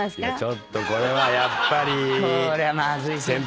ちょっとこれはやっぱり。